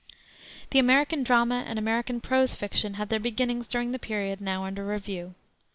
The American drama and American prose fiction had their beginnings during the period now under review.